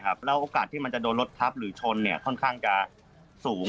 แล้วโอกาสที่มันจะโดนรถทับหรือชนค่อนข้างจะสูง